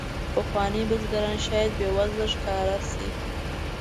پخواني بزګران شاید بې وزله ښکاره شي.